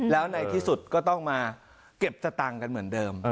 แล้วในที่สุดก็ต้องมาเก็บสตางค์กันเหมือนเดิม